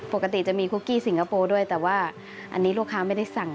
ปกติจะมีคุกกี้สิงคโปร์ด้วยแต่ว่าอันนี้ลูกค้าไม่ได้สั่ง